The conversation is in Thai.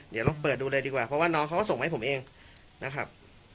เดี๋ยวลองเปิดดูเลยดีกว่าเพราะว่าน้องเขาก็ส่งให้ผมเองนะครับ